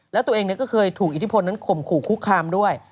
แล้วตัวเองก็เคยถูกอิทธิพลนั้นข่มขู่คุกคามด้วย